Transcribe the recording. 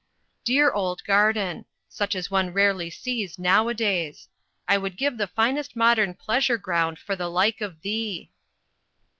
Dear old garden! such as one rarely sees now a days! I would give the finest modern pleasure ground for the like of thee!